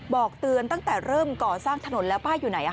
บอกเตือนตั้งแต่เริ่มก่อสร้างถนนแล้วป้าอยู่ไหน